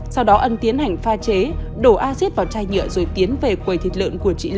sau đó ân tiến hành pha chế đổ acid vào chai nhựa rồi tiến về quầy thịt lợn của chị